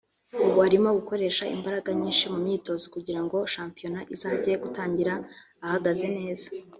ubu arimo gukoresha imbaraga nyinshi mu myitozo kugira ngo shampiyona izajye gutangira ahagaze neza